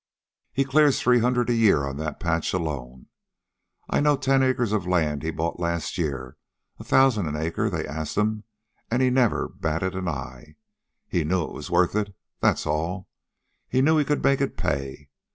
He clears three hundred a year on that patch alone. I know ten acres of land he bought last year, a thousan' an acre they asked'm, an' he never batted an eye. He knew it was worth it, that's all. He knew he could make it pay.